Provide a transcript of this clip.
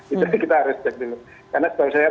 itu kita harus cek dulu